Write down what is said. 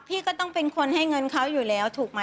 พี่ก็ต้องเป็นคนให้เงินเขาอยู่แล้วถูกไหม